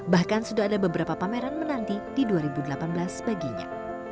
bahkan sudah ada beberapa pameran menanti di dua ribu delapan belas baginya